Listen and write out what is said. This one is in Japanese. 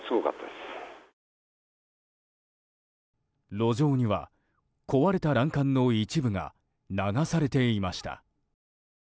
路上には壊れた欄干の一部が流されていました。